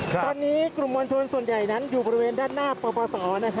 ตอนนี้กลุ่มวังตัวส่วนใหญ่นั้นอยู่บริเวณด้านหน้าประเบาะสร